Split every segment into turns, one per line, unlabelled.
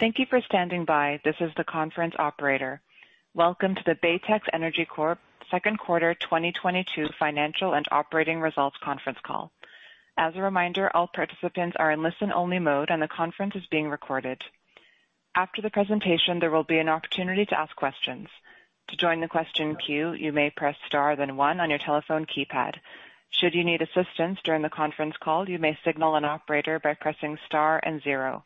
Thank you for standing by. This is the conference operator. Welcome to the Baytex Energy Corp second quarter 2022 financial and operating results conference call. As a reminder, all participants are in listen-only mode, and the conference is being recorded. After the presentation, there will be an opportunity to ask questions. To join the question queue, you may press star then one on your telephone keypad. Should you need assistance during the conference call, you may signal an operator by pressing star and zero.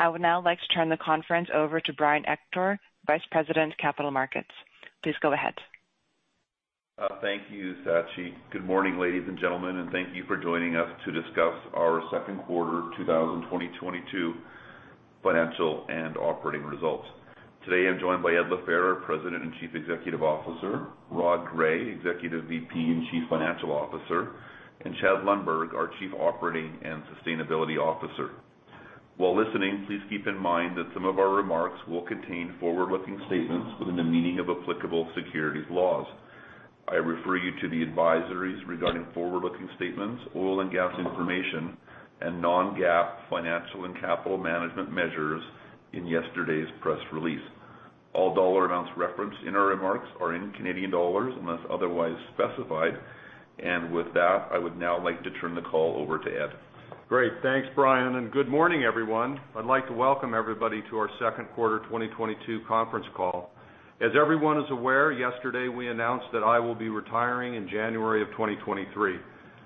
I would now like to turn the conference over to Brian Ector, Vice President of Capital Markets. Please go ahead.
Thank you, Sachi. Good morning, ladies and gentlemen, and thank you for joining us to discuss our second quarter 2022 financial and operating results. Today, I'm joined by Ed LaFehr, President and Chief Executive Officer, Rod Gray, Executive VP and Chief Financial Officer, and Chad Lundberg, our Chief Operating and Sustainability Officer. While listening, please keep in mind that some of our remarks will contain forward-looking statements within the meaning of applicable securities laws. I refer you to the advisories regarding forward-looking statements, oil and gas information, and non-GAAP financial and capital management measures in yesterday's press release. All dollar amounts referenced in our remarks are in Canadian dollars unless otherwise specified. With that, I would now like to turn the call over to Ed.
Great. Thanks, Brian, and good morning, everyone. I'd like to welcome everybody to our second quarter 2022 conference call. As everyone is aware, yesterday, we announced that I will be retiring in January 2023.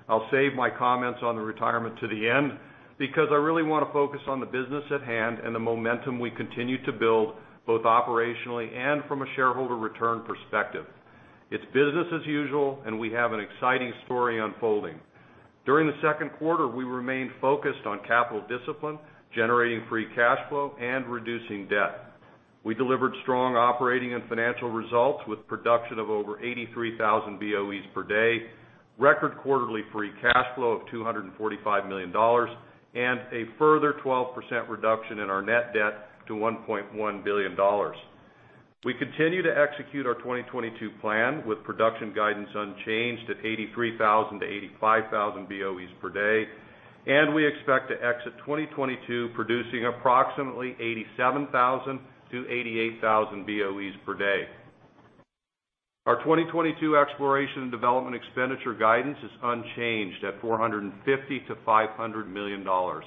I'll save my comments on the retirement to the end because I really wanna focus on the business at hand and the momentum we continue to build both operationally and from a shareholder return perspective. It's business as usual, and we have an exciting story unfolding. During the second quarter, we remained focused on capital discipline, generating free cash flow, and reducing debt. We delivered strong operating and financial results with production of over 83,000 BOE/D, record quarterly free cash flow of 245 million dollars, and a further 12% reduction in our net debt to 1.1 billion dollars. We continue to execute our 2022 plan with production guidance unchanged at 83,000 BOE/D-85,000 BOE/D, and we expect to exit 2022 producing approximately 87,000 BOE/D-88,000 BOE/D. Our 2022 exploration and development expenditure guidance is unchanged at 450 million-500 million dollars.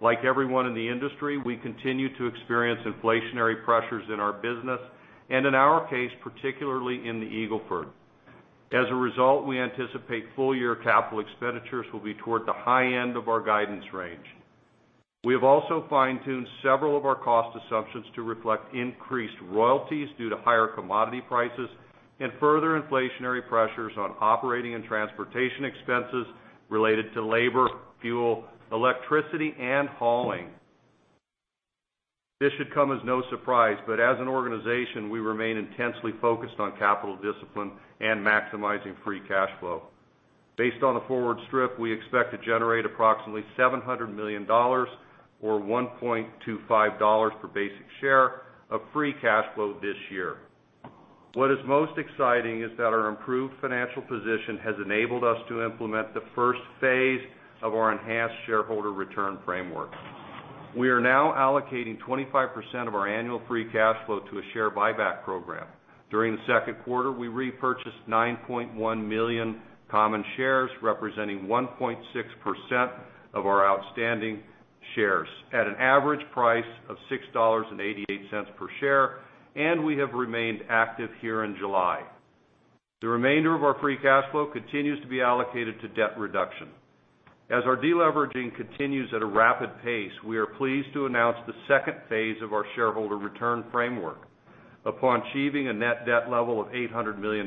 Like everyone in the industry, we continue to experience inflationary pressures in our business and in our case, particularly in the Eagle Ford. As a result, we anticipate full-year capital expenditures will be toward the high end of our guidance range. We have also fine-tuned several of our cost assumptions to reflect increased royalties due to higher commodity prices and further inflationary pressures on operating and transportation expenses related to labor, fuel, electricity, and hauling. This should come as no surprise, but as an organization, we remain intensely focused on capital discipline and maximizing free cash flow. Based on the forward strip, we expect to generate approximately $700 million or $1.25 per basic share of free cash flow this year. What is most exciting is that our improved financial position has enabled us to implement the first phase of our enhanced shareholder return framework. We are now allocating 25% of our annual free cash flow to a share buyback program. During the second quarter, we repurchased 9.1 million common shares, representing 1.6% of our outstanding shares at an average price of $6.88 per share, and we have remained active here in July. The remainder of our free cash flow continues to be allocated to debt reduction. As our deleveraging continues at a rapid pace, we are pleased to announce the second phase of our shareholder return framework. Upon achieving a net debt level of $800 million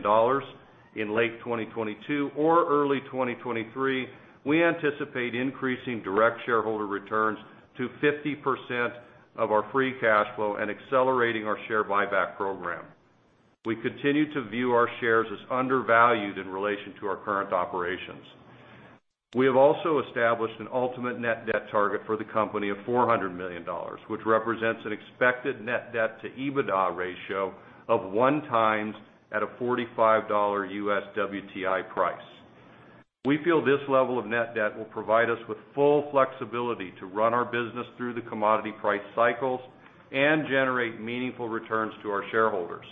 in late 2022 or early 2023, we anticipate increasing direct shareholder returns to 50% of our free cash flow and accelerating our share buyback program. We continue to view our shares as undervalued in relation to our current operations. We have also established an ultimate net debt target for the company of $400 million, which represents an expected net debt to EBITDA ratio of 1x at a $45 U.S. WTI price. We feel this level of net debt will provide us with full flexibility to run our business through the commodity price cycles and generate meaningful returns to our shareholders.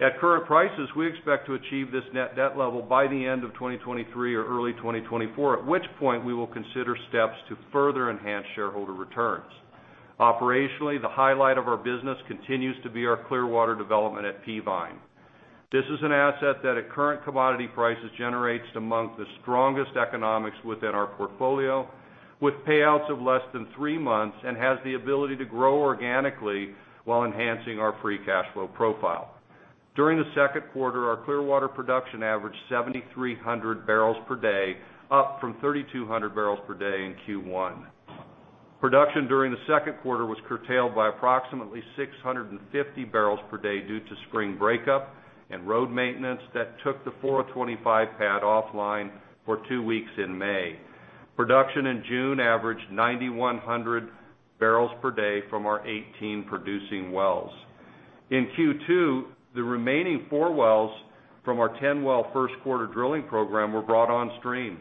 At current prices, we expect to achieve this net debt level by the end of 2023 or early 2024, at which point we will consider steps to further enhance shareholder returns. Operationally, the highlight of our business continues to be our Clearwater development at Peavine. This is an asset that, at current commodity prices, generates among the strongest economics within our portfolio with payouts of less than three months and has the ability to grow organically while enhancing our free cash flow profile. During the second quarter, our Clearwater production averaged 7,300 barrels per day, up from 3,200 barrels per day in Q1. Production during the second quarter was curtailed by approximately 650 barrels per day due to spring breakup and road maintenance that took the 425 pad offline for two weeks in May. Production in June averaged 9,100 barrels per day from our 18 producing wells. In Q2, the remaining 4 wells from our 10-well first quarter drilling program were brought on stream,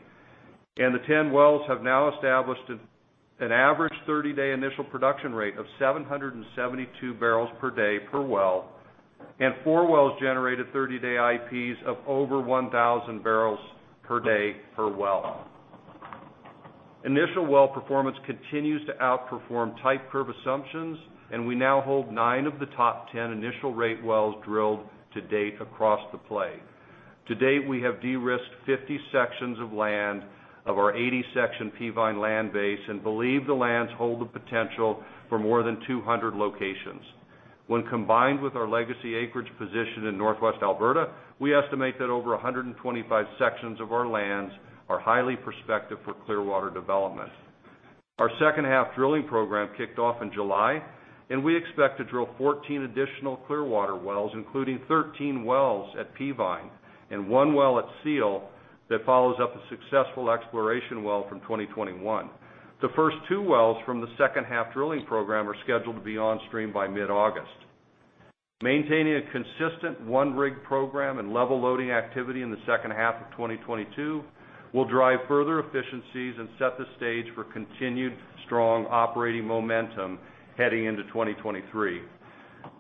and the 10 wells have now established an average 30-day initial production rate of 772 barrels per day per well, and 4 wells generated 30-day IPs of over 1,000 barrels per day per well. Initial well performance continues to outperform type curve assumptions, and we now hold 9 of the top 10 initial rate wells drilled to date across the play. To date, we have de-risked 50 sections of land of our 80-section Peavine land base and believe the lands hold the potential for more than 200 locations. When combined with our legacy acreage position in Northwest Alberta, we estimate that over 125 sections of our lands are highly prospective for Clearwater development. Our second half drilling program kicked off in July, and we expect to drill 14 additional Clearwater wells, including 13 wells at Peavine and one well at Seal that follows up a successful exploration well from 2021. The first two wells from the second half drilling program are scheduled to be on stream by mid-August. Maintaining a consistent one-rig program and level loading activity in the second half of 2022 will drive further efficiencies and set the stage for continued strong operating momentum heading into 2023.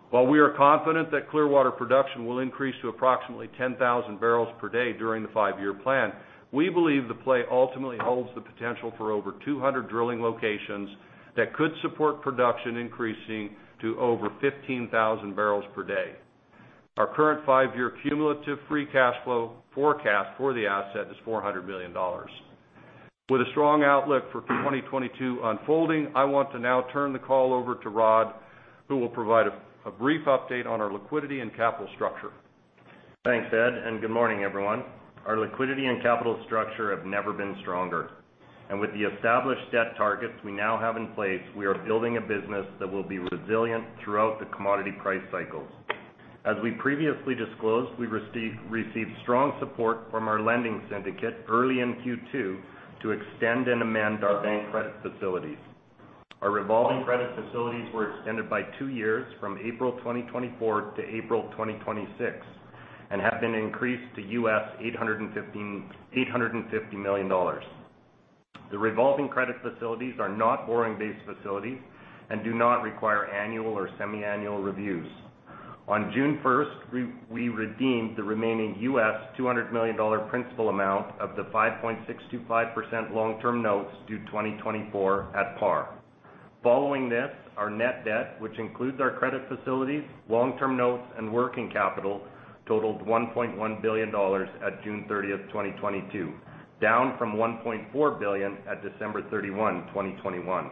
While we are confident that Clearwater production will increase to approximately 10,000 barrels per day during the five-year plan, we believe the play ultimately holds the potential for over 200 drilling locations that could support production increasing to over 15,000 barrels per day. Our current five-year cumulative free cash flow forecast for the asset is 400 million dollars. With a strong outlook for 2022 unfolding, I want to now turn the call over to Rod, who will provide a brief update on our liquidity and capital structure.
Thanks, Ed, and good morning, everyone. Our liquidity and capital structure have never been stronger. With the established debt targets we now have in place, we are building a business that will be resilient throughout the commodity price cycles. As we previously disclosed, we received strong support from our lending syndicate early in Q2 to extend and amend our bank credit facilities. Our revolving credit facilities were extended by two years from April 2024 to April 2026 and have been increased to $850 million. The revolving credit facilities are not borrowing-based facilities and do not require annual or semiannual reviews. On June 1, we redeemed the remaining $200 million principal amount of the 5.625% long-term notes due 2024 at par. Following this, our net debt, which includes our credit facilities, long-term notes, and working capital, totaled $1.1 billion at June thirtieth, 2022, down from $1.4 billion at December thirty-one, 2021.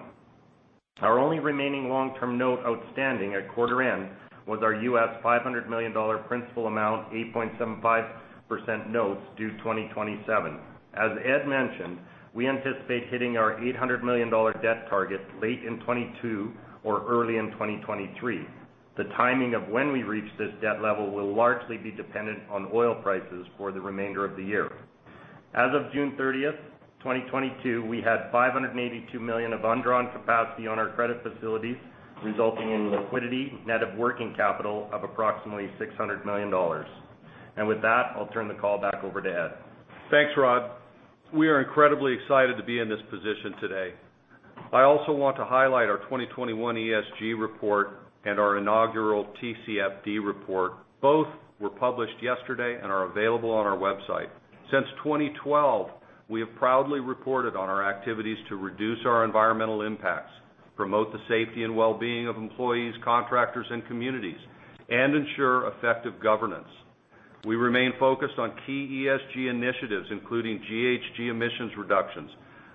Our only remaining long-term note outstanding at quarter end was our US $500 million principal amount, 8.75% notes due 2027. As Ed mentioned, we anticipate hitting our $800 million debt target late in 2022 or early in 2023. The timing of when we reach this debt level will largely be dependent on oil prices for the remainder of the year. As of June thirtieth, 2022, we had $582 million of undrawn capacity on our credit facilities, resulting in liquidity net of working capital of approximately $600 million. With that, I'll turn the call back over to Ed.
Thanks, Rod. We are incredibly excited to be in this position today. I also want to highlight our 2021 ESG report and our inaugural TCFD report. Both were published yesterday and are available on our website. Since 2012, we have proudly reported on our activities to reduce our environmental impacts, promote the safety and well-being of employees, contractors, and communities, and ensure effective governance. We remain focused on key ESG initiatives, including GHG emissions reductions,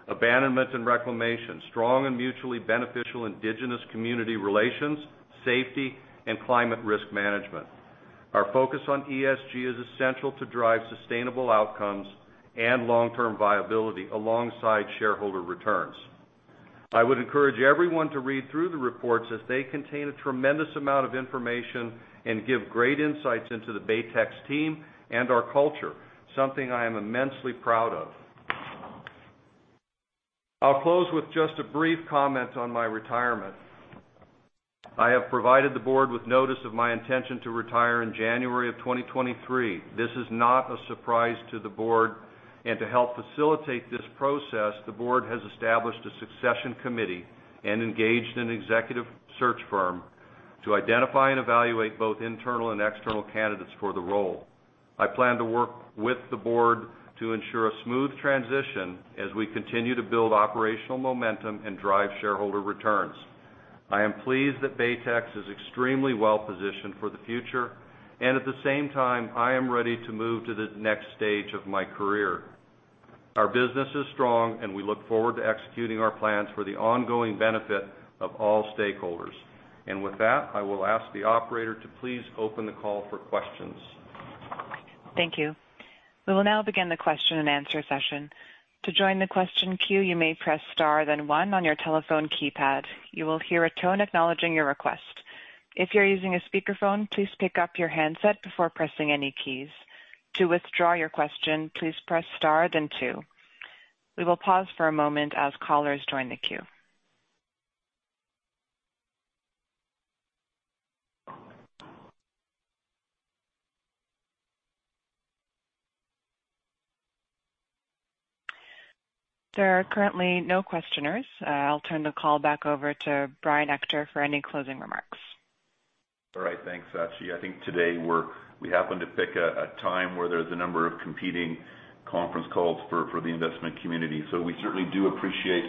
abandonment and reclamation, strong and mutually beneficial indigenous community relations, safety, and climate risk management. Our focus on ESG is essential to drive sustainable outcomes and long-term viability alongside shareholder returns. I would encourage everyone to read through the reports as they contain a tremendous amount of information and give great insights into the Baytex team and our culture, something I am immensely proud of. I'll close with just a brief comment on my retirement. I have provided the board with notice of my intention to retire in January 2023. This is not a surprise to the board, and to help facilitate this process, the board has established a succession committee and engaged an executive search firm to identify and evaluate both internal and external candidates for the role. I plan to work with the board to ensure a smooth transition as we continue to build operational momentum and drive shareholder returns. I am pleased that Baytex is extremely well-positioned for the future, and at the same time, I am ready to move to the next stage of my career. Our business is strong, and we look forward to executing our plans for the ongoing benefit of all stakeholders. With that, I will ask the operator to please open the call for questions.
Thank you. We will now begin the question-and-answer session. To join the question queue, you may press star, then one on your telephone keypad. You will hear a tone acknowledging your request. If you're using a speakerphone, please pick up your handset before pressing any keys. To withdraw your question, please press star, then two. We will pause for a moment as callers join the queue. There are currently no questioners. I'll turn the call back over to Brian Ector for any closing remarks.
All right. Thanks, Sachi. I think today we happened to pick a time where there's a number of competing conference calls for the investment community. We certainly do appreciate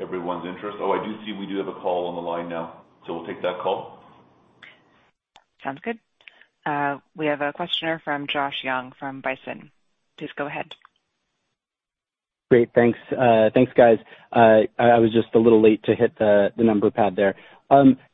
everyone's interest. Oh, I do see we do have a call on the line now, so we'll take that call.
Sounds good. We have a questioner from Josh Young from Bison. Please go ahead.
Great. Thanks, guys. I was just a little late to hit the number pad there.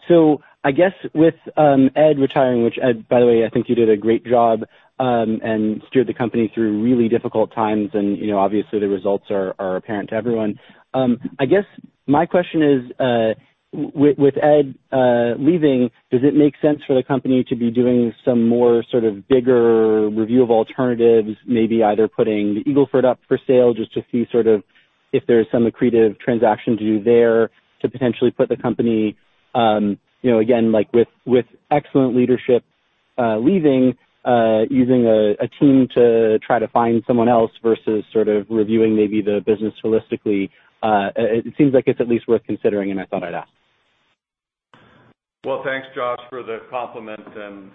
So I guess with Ed retiring, which Ed, by the way, I think you did a great job and steered the company through really difficult times. You know, obviously, the results are apparent to everyone. I guess my question is with Ed leaving, does it make sense for the company to be doing some more sort of bigger review of alternatives, maybe either putting the Eagle Ford up for sale just to see sort of if there's some accretive transaction to do there to potentially put the company, you know, again, like with excellent leadership leaving, using a team to try to find someone else versus sort of reviewing maybe the business holistically. It seems like it's at least worth considering, and I thought I'd ask.
Well, thanks, Josh, for the compliment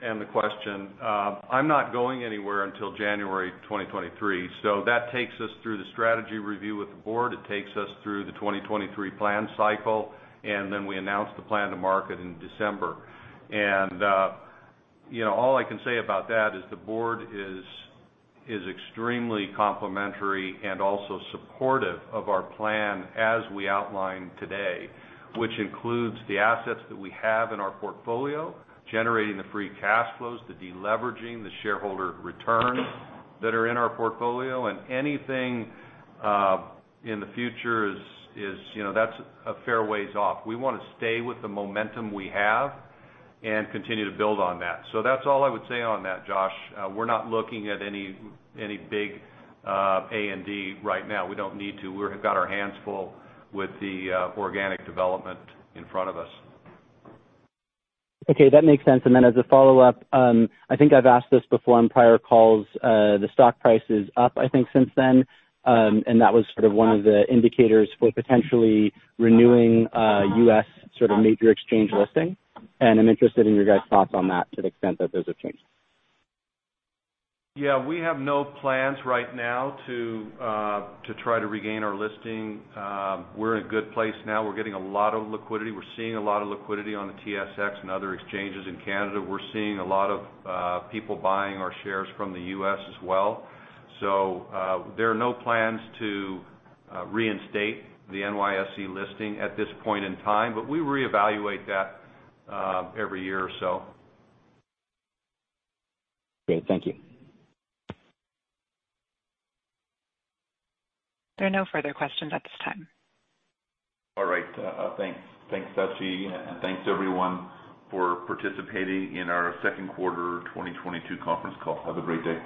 and the question. I'm not going anywhere until January 2023, so that takes us through the strategy review with the board. It takes us through the 2023 plan cycle, and then we announce the plan to market in December. You know, all I can say about that is the board is extremely complimentary and also supportive of our plan as we outlined today, which includes the assets that we have in our portfolio, generating the free cash flows, the deleveraging, the shareholder returns that are in our portfolio. Anything in the future is, you know, that's a fair ways off. We wanna stay with the momentum we have and continue to build on that. That's all I would say on that, Josh. We're not looking at any big A&D right now. We don't need to. We've got our hands full with the organic development in front of us.
Okay, that makes sense. As a follow-up, I think I've asked this before on prior calls. The stock price is up, I think, since then. That was sort of one of the indicators for potentially renewing U.S. sort of major exchange listing. I'm interested in your guys' thoughts on that to the extent that those have changed.
Yeah. We have no plans right now to try to regain our listing. We're in a good place now. We're getting a lot of liquidity. We're seeing a lot of liquidity on the TSX and other exchanges in Canada. We're seeing a lot of people buying our shares from the U.S. as well. There are no plans to reinstate the NYSE listing at this point in time, but we reevaluate that every year or so.
Great. Thank you.
There are no further questions at this time.
All right. Thanks. Thanks, Sachi. Thanks, everyone, for participating in our second quarter 2022 conference call. Have a great day.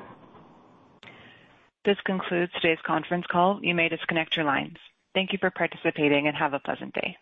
This concludes today's conference call. You may disconnect your lines. Thank you for participating, and have a pleasant day.